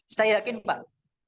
saya yakin pak